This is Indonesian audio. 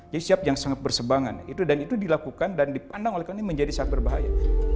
jadi siap yang sangat bersebangan itu dan itu dilakukan dan dipandang oleh kondisi menjadi sangat berbahaya